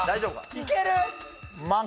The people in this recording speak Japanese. いける？